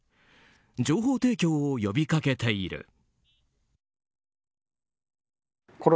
情報提供を呼び掛けている。